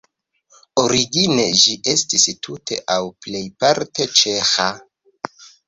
Origine ĝi estis tute aŭ plejparte ĉeĥa.